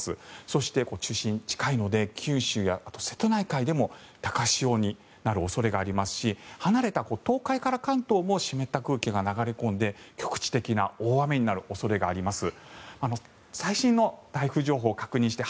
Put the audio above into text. そして、中心に近いので九州やあと瀬戸内海でも高潮になる恐れがありますし離れた東海から関東も湿った空気が流れ込んで局地的な大雨になる恐れがあります。